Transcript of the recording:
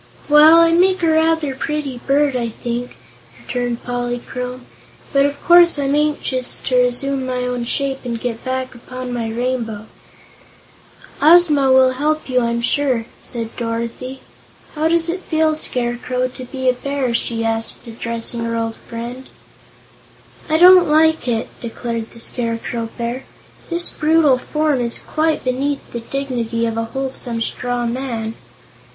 "Well, I make a rather pretty bird, I think," returned Polychrome, "but of course I'm anxious to resume my own shape and get back upon my rainbow." "Ozma will help you, I'm sure," said Dorothy. "How does it feel, Scarecrow, to be a Bear?" she asked, addressing her old friend. "I don't like it," declared the Scarecrow Bear. "This brutal form is quite beneath the dignity of a wholesome straw man."